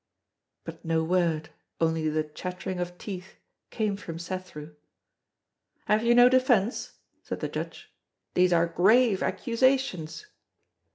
But no word, only the chattering of teeth, came from Cethru. "Have you no defence?" said the Judge: "these are grave accusations!"